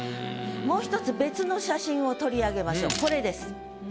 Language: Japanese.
もう１つ別の写真を取り上げましょうこれです。